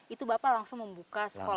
itu bapak langsung membuka sekolah juga ya